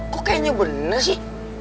kok kayaknya bener sih